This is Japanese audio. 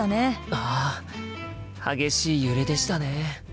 ああ激しい揺れでしたね。